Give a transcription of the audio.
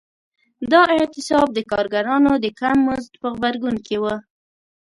دا اعتصاب د کارګرانو د کم مزد په غبرګون کې و.